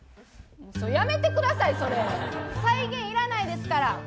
やめてください、それ再現いらないですから！